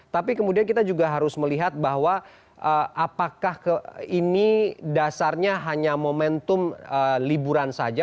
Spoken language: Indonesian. tapi kemudian kita juga harus melihat bahwa apakah ini dasarnya hanya momentum liburan saja